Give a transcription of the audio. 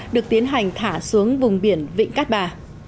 được tiến hành thả xuống vùng biển vịnh cát bà